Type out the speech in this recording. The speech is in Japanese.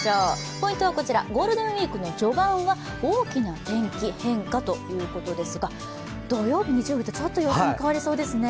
ポイントはこちら、ゴールデンウイークの序盤は大きな天気変化ということですが、土曜日、日曜日とちょっと変わりそうですね。